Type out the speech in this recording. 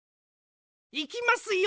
いきますよ！